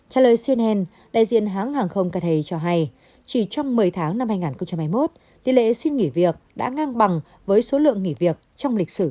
trả lời cnn đại diện hãng hàng không kate cho hay chỉ trong một mươi tháng năm hai nghìn hai mươi một tỷ lệ xin nghỉ việc đã ngang bằng với số lượng nghỉ việc trong lịch sử